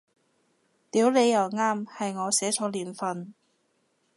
屌你又啱，係我寫錯年份